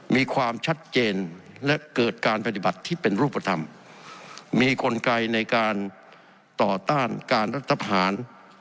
มีความชัดเจนและเกิดการปฏิบัติที่เป็นรูปธรรมมีกลไกในการต่อต้านการรัฐพาหาร